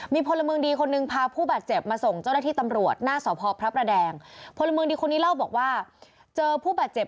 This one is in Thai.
มีพลเมืองดีคนนึงพาผู้บาดเจ็บ